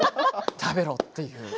食べろっていう。